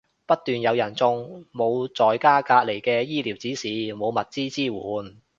不斷有人中，冇在家隔離嘅醫療指示，冇物資支援